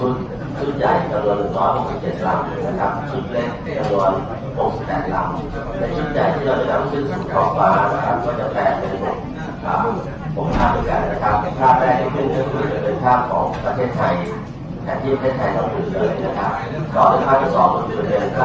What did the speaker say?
ในกรณีมาที่อนุสังคม๑๔๐๑ขนาด๑๓เวียด